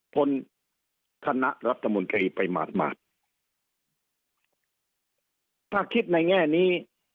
คณะรัฐมนตรีไปหมาดหมาดถ้าคิดในแง่นี้